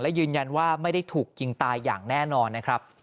และยืนยันว่าไม่ได้ถูกยิงตายอย่างแน่นอนนะครับ